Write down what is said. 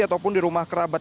ataupun di rumah kerabat